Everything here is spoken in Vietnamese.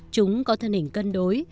chúng có thân hình cân đối